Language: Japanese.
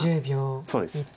そうです。